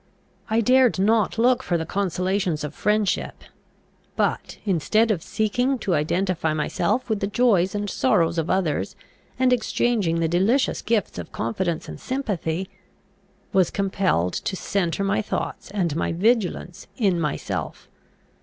I dared not look for the consolations of friendship; but, instead of seeking to identify myself with the joys and sorrows of others, and exchanging the delicious gifts of confidence and sympathy, was compelled to centre my thoughts and my vigilance in myself.